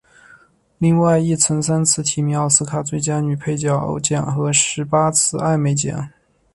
另外亦曾三次提名奥斯卡最佳女配角奖和十八次艾美奖。